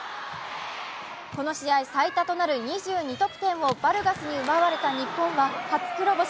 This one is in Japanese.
この試合最多となる２２得点をバルガスに奪われた日本は初黒星。